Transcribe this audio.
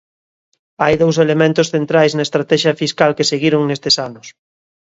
Hai dous elementos centrais na estratexia fiscal que seguiron nestes anos.